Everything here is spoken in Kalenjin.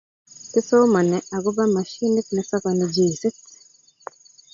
kisomani akubo mashinit ne sokoni juisit